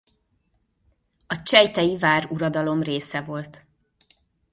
A csejtei váruradalom része volt.